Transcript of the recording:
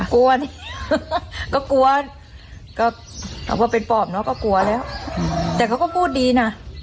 กลัวดิก็กลัวก็เอาพอเป็นปอบเนาะก็กลัวแล้วแต่เขาก็พูดดีนะ